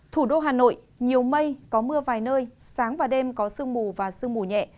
thủ đô hà nội nhiều mây có mưa vài nơi sáng và đêm có sương mù và sương mù nhẹ